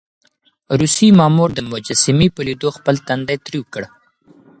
روسي مامور د مجسمې په ليدو خپل تندی تريو کړ.